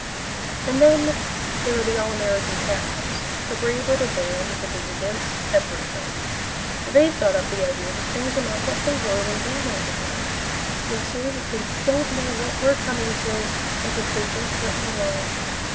And then there are the All American Crabs; The Brave Little Band that is Against Everything. They have got up the idea That things are not what they were when Grandma was a girl. They say that they don't know what we're coming to, As if they had just written the line.